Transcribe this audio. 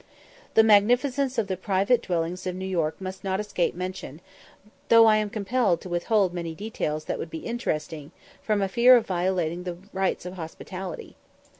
The magnificence of the private dwellings of New York must not escape mention, though I am compelled to withhold many details that would be interesting, from a fear of "violating the rights of hospitality."